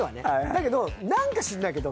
だけどなんか知んないけど。